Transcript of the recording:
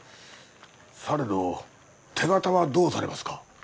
されど手形はどうされますか？